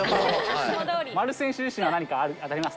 丸選手自身は、何かあります